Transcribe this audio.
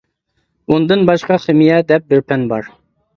ئۇندىن باشقا خىمىيە دەپ بىر پەن بار.